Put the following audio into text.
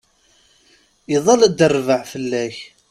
Iḍall-d rrbeḥ fell-ak.